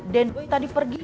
dan boy tadi pergi